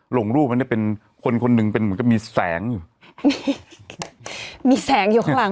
ลงรูปอันนี้เป็นคนคนหนึ่งเป็นเหมือนกับมีแสงอยู่มีแสงอยู่ข้างหลัง